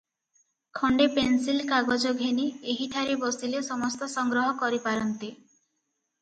ଖଣ୍ତେ pencil କାଗଜ ଘେନି ଏହିଠାରେ ବସିଲେ ସମସ୍ତ ସଂଗ୍ରହ କରିପାରନ୍ତେ ।